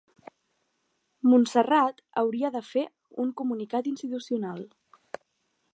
Montserrat hauria de fer un comunicat institucional.